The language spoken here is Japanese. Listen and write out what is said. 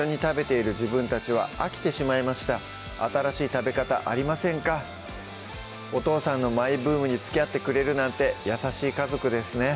早速いってみましょうお父さんのマイブームにつきあってくれるなんて優しい家族ですね